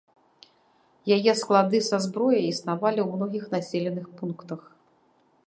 Яе склады са зброяй існавалі ў многіх населеных пунктах.